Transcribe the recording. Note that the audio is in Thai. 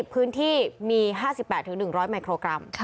พื้นที่มี๕๘๑๐๐มิโครกรัม